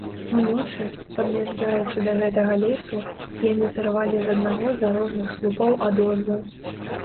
Уночы, пад'язджаючы да гэтага лесу, яны сарвалі з аднаго з дарожных слупоў адозву.